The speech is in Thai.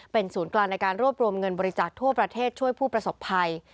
เป็นศูนย์กลางในการรวบรวมเงินบริจาคทั่วประเทศช่วยผู้ประสบภัย